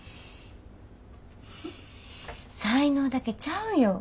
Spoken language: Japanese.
才能だけちゃうよ。